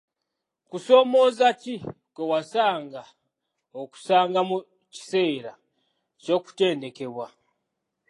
Kusoomooza ki kwe wasanga okusanga mu kiseera ky'okutendekebwa?